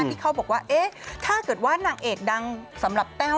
ที่เขาบอกว่าเอ๊ะถ้าเกิดว่านางเอกดังสำหรับแต้ว